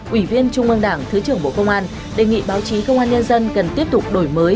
ủy viên trung ương đảng thứ trưởng bộ công an đề nghị báo chí công an nhân dân cần tiếp tục đổi mới